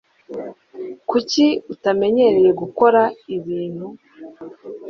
Kuki utanyemerera gukora ibintu?